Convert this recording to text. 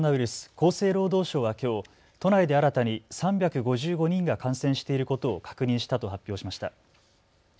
厚生労働省はきょう都内で新たに３５５人が感染していることを確認したと発表しました。